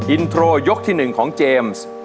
อินโทรยกที่๑ของเจมส์